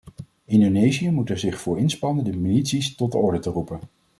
Indonesië moet er zich voor inspannen de milities tot de orde te roepen.